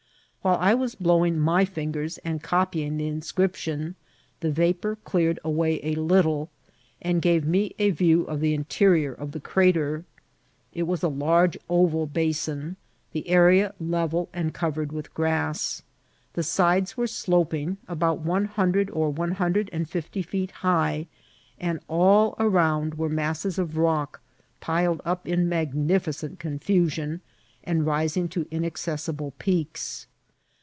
While I was blowing my fingers and copying the inscription, the vapour cleared away a little, and gave me a view of the interior of the crater. It was a large oval basin, the area level and covered with grass. The sides were sloping, about one hundred or one hundred and fifty feet high, and all around were masses of rock piled up in magnificent confusion, and rising to inaccessible peaks.